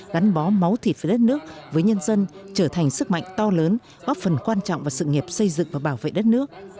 gắn bó máu thịt với đất nước với nhân dân trở thành sức mạnh to lớn góp phần quan trọng vào sự nghiệp xây dựng và bảo vệ đất nước